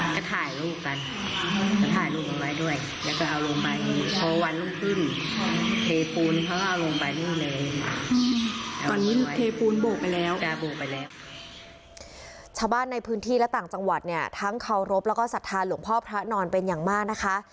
ชาวบ้านในพื้นที่และต่างจังหวัดเนี่ยทั้งเคารพแล้วก็ศรัทธาหลวงพ่อพระนอนเป็นอย่างมากนะคะ